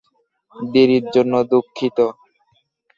দেরির জন্য দুঃখিত।